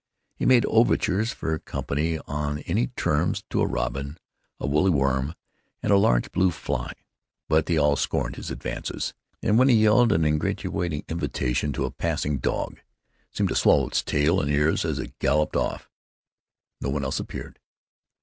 He made overtures for company on any terms to a hop robin, a woolly worm, and a large blue fly, but they all scorned his advances, and when he yelled an ingratiating invitation to a passing dog it seemed to swallow its tail and ears as it galloped off. No one else appeared.